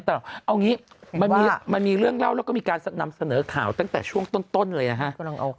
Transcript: แต่เอางี้มันมีเรื่องเล่าแล้วก็มีการนำเสนอข่าวตั้งแต่ช่วงต้นเลยนะฮะ